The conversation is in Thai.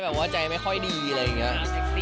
ใช่ค่ะว่าใจไม่ค่อยดีอะไรท่า